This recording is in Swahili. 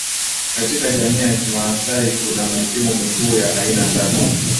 katika jamii ya kimasai Kuna misimu mikuu ya aina tatu